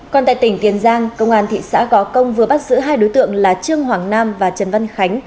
còn tại tỉnh tiền giang công an thị xã gó công vừa bắt giữ hai đối tượng là trương hoàng nam và trần văn khánh